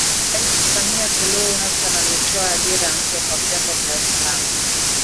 Rais Samia Suluhu Hassan ametoa ajira mpya kwa vyombo vya usalama